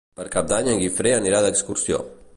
Per Cap d'Any en Guifré anirà d'excursió.